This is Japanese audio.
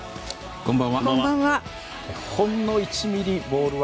こんばんは。